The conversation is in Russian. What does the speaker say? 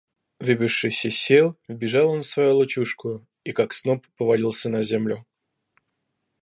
Выбившись из сил, вбежал он в свою лачужку и, как сноп, повалился на землю.